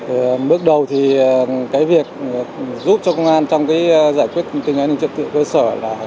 từ bước đầu thì cái việc giúp cho công an trong cái giải quyết an ninh trật tự cơ sở